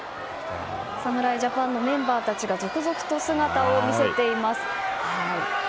侍ジャパンのメンバーたちが続々と姿を見せています。